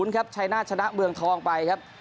ครับชัยนาธชนะเมืองทองไปครับ